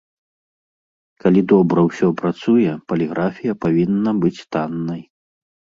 Калі добра ўсё працуе, паліграфія павінна быць таннай.